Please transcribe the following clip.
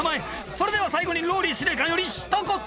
それでは最後にＲＯＬＬＹ司令官よりひと言！